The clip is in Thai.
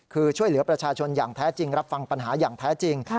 คือช่วยเหลือประชาชนอย่างแท้จริงรับฟังปัญหาอย่างแท้จริง